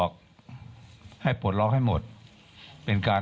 ขอบพระคุณนะครับ